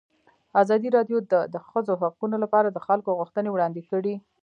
ازادي راډیو د د ښځو حقونه لپاره د خلکو غوښتنې وړاندې کړي.